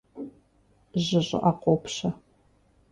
Жьы щӀыӀэ къопщэ.